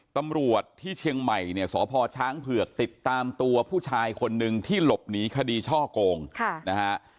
ตำรวจที่เชียงใหม่เนี่ยสพช้างเผือกติดตามตัวผู้ชายคนหนึ่งที่หลบหนีคดีช่อโกงนะฮะ